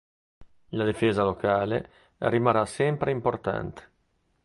La difesa locale rimarrà sempre importante.